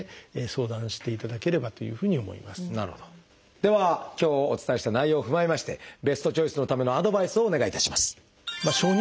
では今日お伝えした内容を踏まえましてベストチョイスのためのアドバイスをお願いいたします。